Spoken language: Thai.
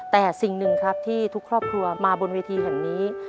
แต่สิ่งหนึ่งครับที่ทุกครอบครัวมาบนเวทีแห่งนี้